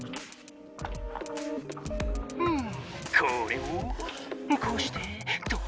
これをこうしてと！